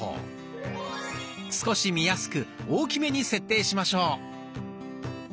少し見やすく大きめに設定しましょう。